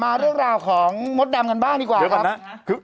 มาเรื่องราวของมดดำกันบ้างดีกว่าครับเดี๋ยวก่อนนะ